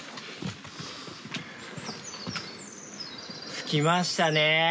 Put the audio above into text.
着きましたね。